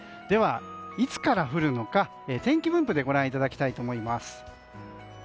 では、いつから降るのか天気分布でご覧いただきたいと思います。